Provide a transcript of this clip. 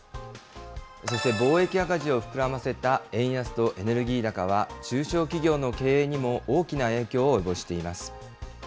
そして貿易赤字を膨らませた円安とエネルギー高は、中小企業の経営にも大きな影響を及ぼしています。